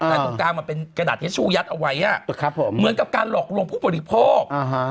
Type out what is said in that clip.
กลางกลางมาเป็นกระดาษเช็ดชู้ยัดเอาไว้อ่ะครับผมเหมือนกับการหลอกลงผู้ปฏิโภค